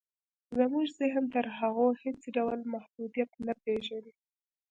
زموږ ذهن تر هغو هېڅ ډول محدوديت نه پېژني.